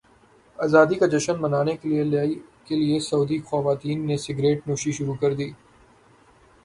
ازادی کا جشن منانے کے لیے سعودی خواتین نے سگریٹ نوشی شروع کردی